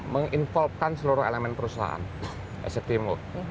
menginvolvekan seluruh elemen perusahaan